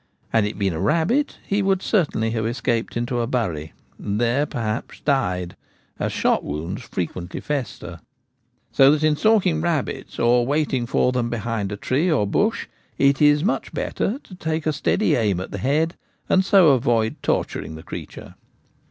Had it been a rabbit he would certainly have escaped into a bury, and there, perhaps died, as shot wounds frequently fester : so that in stalking rabbits, or waiting for them behind a tree or bush, it is much better to take a steady aim at the head, and so avoid torturing the creature.